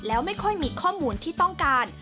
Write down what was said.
แล้วไม่ค่อยมีข้อมูลที่ต้องการ